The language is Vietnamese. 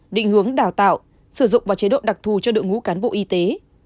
định hướng đào tạo sử dụng và chế độ đặc thù cho đội ngũ cán bộ y tế